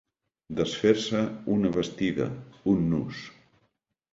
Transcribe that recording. Desfer-se una bastida, un nus.